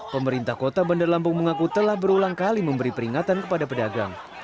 pemerintah kota bandar lampung mengaku telah berulang kali memberi peringatan kepada pedagang